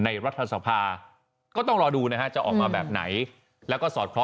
รัฐสภาก็ต้องรอดูนะฮะจะออกมาแบบไหนแล้วก็สอดคล้อง